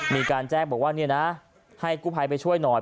มีการแจ้งบอกว่าเนี่ยนะให้กู้ภัยไปช่วยหน่อย